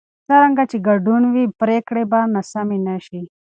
څرنګه چې ګډون وي، پرېکړې به ناسمې نه شي.